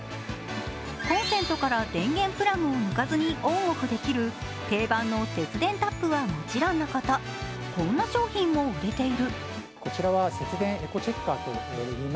コンセントから電源プラグを抜かずにオン・オフできる定番の節電タップはもちろんのことこんな商品も売れている。